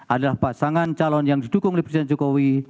adalah pasangan calon yang didukung oleh presiden jokowi